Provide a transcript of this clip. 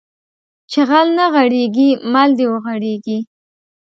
چې غل نه غېړيږي مل د وغړيږي